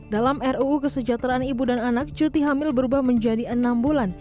dalam ruu kesejahteraan ibu dan anak cuti hamil berubah menjadi enam bulan